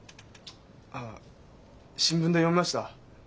あっ新聞で読みました。